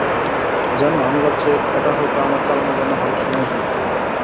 জানো, আমি ভাবছি এটা হয়তো আমার চালানোর জন্য ভালো সময় হবে।